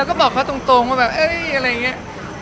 เราก็บอกเขาตรงแบบเอ้ย